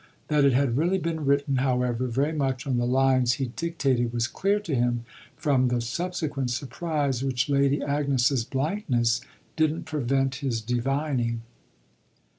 That it had really been written, however, very much on the lines he dictated was clear to him from the subsequent surprise which Lady Agnes's blankness didn't prevent his divining.